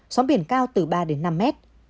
sống biển cao từ ba năm m